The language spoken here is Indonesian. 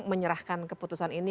menyerahkan keputusan ini